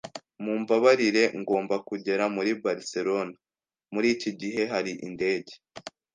Mumbabarire, ngomba kugera muri Barcelona. Muri iki gihe hari indege?